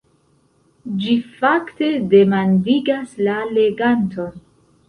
Ĝi fakte demandigas la leganton.